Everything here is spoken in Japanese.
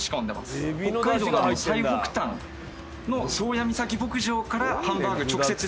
北海道の最北端の宗谷岬牧場からハンバーグ直接仕入れてます。